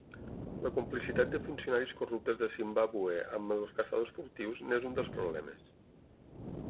La complicitat de funcionaris corruptes de Zimbàbue amb els caçadors furtius n'és un dels problemes.